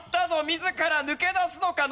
自ら抜け出すのか？